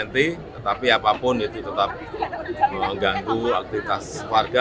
tetapi apapun itu tetap mengganggu aktivitas warga